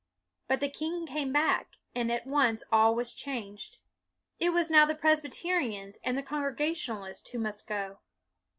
But the king came back, and at once all was changed. It was now the Presbyterians and the Congregationalists who must go.